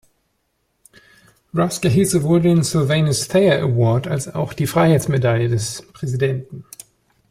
Rusk erhielt sowohl den "Sylvanus Thayer Award" als auch die Freiheitsmedaille des Präsidenten.